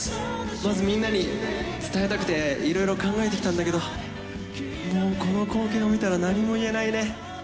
まずみんなに伝えたくて、いろいろ考えてきたんだけど、もうこの光景を見たら何も言えないね。